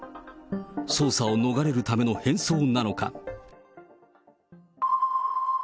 捜査を逃れるための変装なのか。